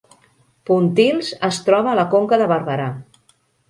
Pontils es troba a la Conca de Barberà